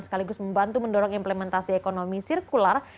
sekaligus membantu mendorong implementasi ekonomi sirkular